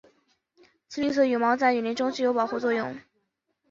其绿色的羽毛在雨林中具有保护作用。